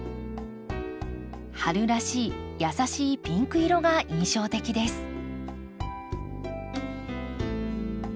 春らしい優しいピンク色が印象的です。